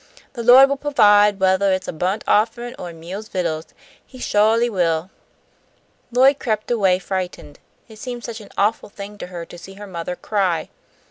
The Lawd will pahvide whethah it's a burnt offerin' or a meal's vittles. He sho'ly will." Lloyd crept away frightened. It seemed such an awful thing to see her mother cry.